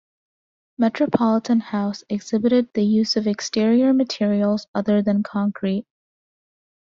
Metropolitan House exhibited the use of exterior materials other than concrete.